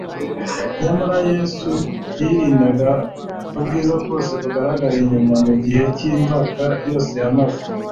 Nyamara ariko Yesu yirindaga ubwiza bwose bugaragara inyuma Mu gihe cy'imvaka yose yamaze